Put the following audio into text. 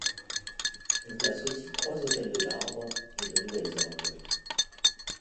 On place aussi trois autels de marbre et de nouvelles orgues.